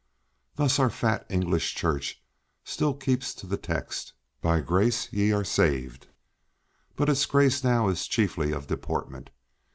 Thus our fat English Church still keeps to the text, "By grace ye are saved;" but its grace now is chiefly of deportment.